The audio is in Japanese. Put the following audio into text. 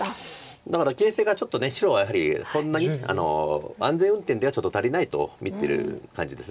だから形勢がちょっと白はやはりそんなに安全運転ではちょっと足りないと見てる感じです。